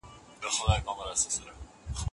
احمد کتاب واخیستی او پر مېز یې خلاص کړی.